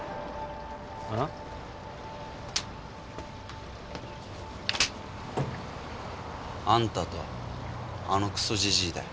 あん？あんたとあのクソじじいだよ。